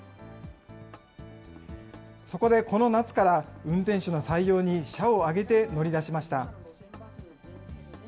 そこでこの夏から、運転手の採用に社を挙げて乗り出しました。